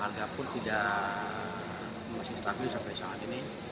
harga pun tidak masih stabil sampai saat ini